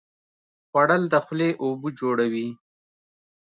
خوړل د خولې اوبه جوړوي